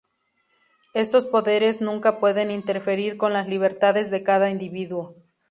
Estos poderes nunca pueden interferir con las libertades de cada individuo.